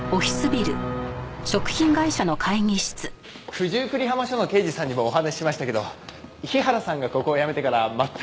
九十九里浜署の刑事さんにもお話ししましたけど日原さんがここを辞めてから全く交流がないんですよ。